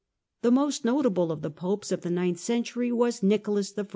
The most notable of the Popes of the ninth century was Nicolas I.